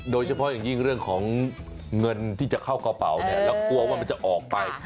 โดยเฉพาะอย่างยิ่งเรื่องของเงินที่จะเข้ากระเป๋าเนี่ยแล้วกลัวว่ามันจะออกไป